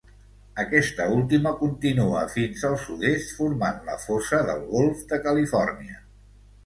Aquesta última continua fins al sud-est formant la fossa del golf de Califòrnia.